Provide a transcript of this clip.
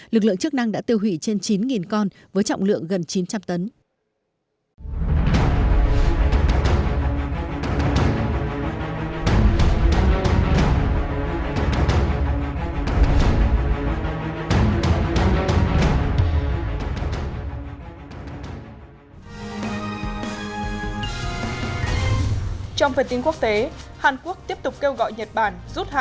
lực lượng chức năng đã tiêu hủy trên chín con với trọng lượng gần chín trăm linh tấn